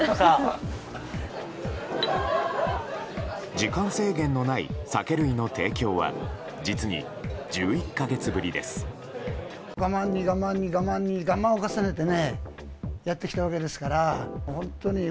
時間制限のない酒類の提供は実に１１か月ぶりです。